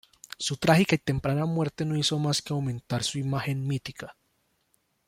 Su trágica y temprana muerte no hizo más que aumentar su imagen mítica.